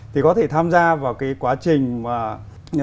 thì có thể tham gia vào cái quá trình